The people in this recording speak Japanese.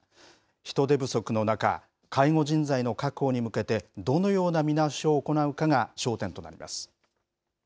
人手不足の中、介護人材の確保に向けて、どのような見直しを行うかが焦点となります。